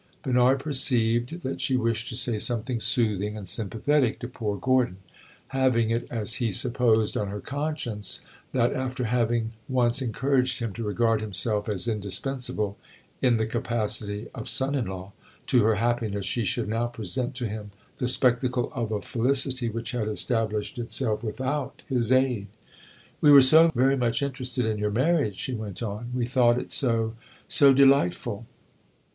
Bernard perceived that she wished to say something soothing and sympathetic to poor Gordon; having it, as he supposed, on her conscience that, after having once encouraged him to regard himself as indispensable (in the capacity of son in law) to her happiness, she should now present to him the spectacle of a felicity which had established itself without his aid. "We were so very much interested in your marriage," she went on. "We thought it so so delightful."